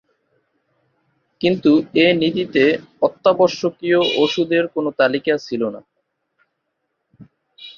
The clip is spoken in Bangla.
কিন্তু এ নীতিতে অত্যাবশ্যকীয় ওষুধের কোনো তালিকা ছিল না।